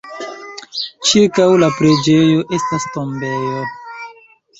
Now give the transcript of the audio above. Ĉirkaŭ la preĝejo estas tombejo.